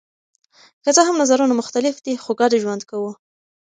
که څه هم نظرونه مختلف دي خو ګډ ژوند کوو.